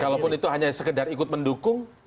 kalaupun itu hanya sekedar ikut mendukung